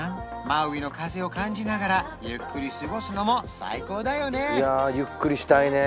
マウイの風を感じながらゆっくり過ごすのも最高だよね